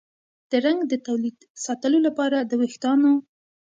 د رنګ د تولید ساتلو لپاره د ویښتانو